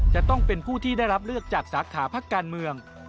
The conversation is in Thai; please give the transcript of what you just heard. จะต้องเป็นผู้ที่ได้รับเลือกจากสาขาพักการเมือง